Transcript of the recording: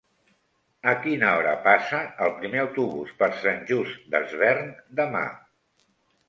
A quina hora passa el primer autobús per Sant Just Desvern demà?